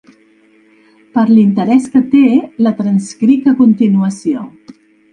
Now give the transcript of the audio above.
Per l’interès que té, la transcric a continuació.